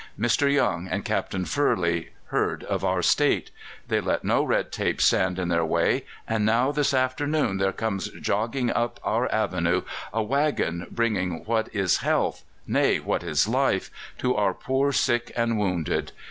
Mr. Young and Captain Furley heard of our state; they let no red tape stand in their way, and now this afternoon there comes jogging up our avenue a waggon bringing what is health nay, what is life to our poor sick and wounded.